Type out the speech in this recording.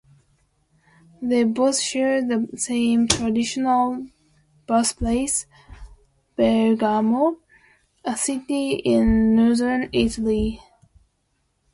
They both share the same traditional birthplace: Bergamo, a city in Northern Italy.